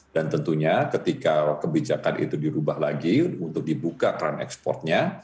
dan tentunya ketika kebijakan itu dirubah lagi untuk dibuka keran ekspornya